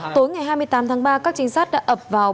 tối ngày hai mươi tám tháng ba các trinh sát đã ập vào